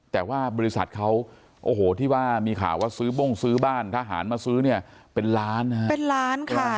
แต่ว่าบริษัทเขาโอ้โหที่ว่ามีข่าวว่าซื้อบ้งซื้อบ้านทหารมาซื้อเนี่ยเป็นล้านนะฮะเป็นล้านค่ะ